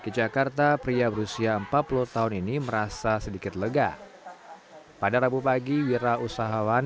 ke jakarta pria berusia empat puluh tahun ini merasa sedikit lega pada rabu pagi wira usahawan